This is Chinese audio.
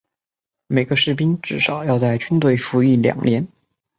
每个士兵至少要在军队服役两年。